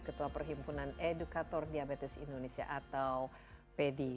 ketua perhimpunan edukator diabetes indonesia atau pedi